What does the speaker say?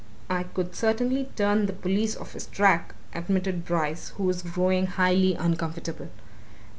"I could certainly turn the police off his track," admitted Bryce, who was growing highly uncomfortable.